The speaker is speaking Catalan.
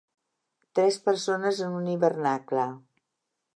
Tres persones en un hivernacle.